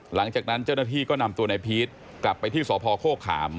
หลังจากนั้นเจ้าหน้าที่ก็นำตัวนายพีชกลับไปที่สพโฆขาม